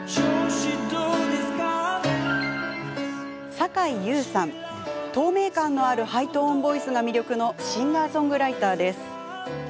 さかいゆうさん、透明感のあるハイトーンボイスが魅力のシンガーソングライターです。